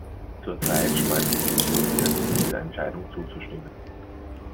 Zurzeit sträubt sich Äthiopien, dieser Entscheidung zuzustimmen.